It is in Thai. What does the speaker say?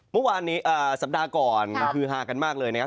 เมื่อวานนี้สัปดาห์ก่อนฮือฮากันมากเลยนะครับ